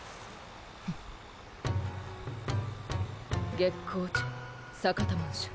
月光町坂田マンション。